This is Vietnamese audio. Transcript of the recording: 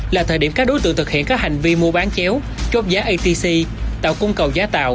là thời điểm các đối tượng thực hiện các hành vi mua bán chéo chốt giá atc tạo cung cầu giá tạo